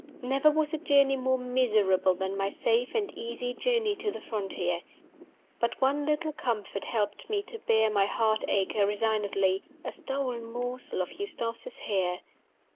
Never was a journey more miserable than my safe and easy journey to the frontier. But one little comfort helped me to bear my heart ache resignedly a stolen morsel of Eustace's hair.